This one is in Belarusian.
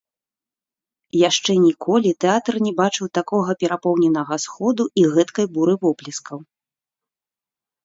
Яшчэ ніколі тэатр не бачыў такога перапоўненага сходу і гэткай буры воплескаў.